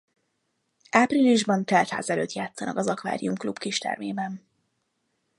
Áprilisban telt ház előtt játszanak az Akvárium klub kis termében.